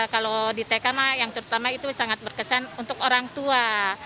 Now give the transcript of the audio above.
kalau di tk mah yang terutama itu sangat berkesan untuk orang tua